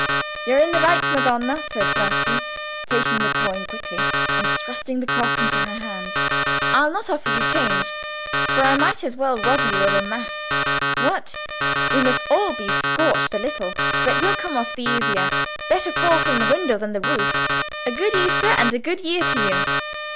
"You're in the right, madonna," said Bratti, taking the coin quickly, and thrusting the cross into her hand; "I'll not offer you change, for I might as well rob you of a mass. What! we must all be scorched a little, but you'll come off the easier; better fall from the window than the roof. A good Easter and a good year to you!"